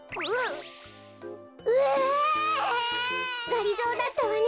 がりぞーだったわね。